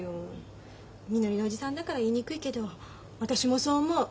みのりの叔父さんだから言いにくいけど私もそう思う。